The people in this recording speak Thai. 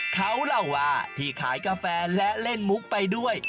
เขาเล่าว่าพี่ขายกาแฟและเล่นมุกไปด้วย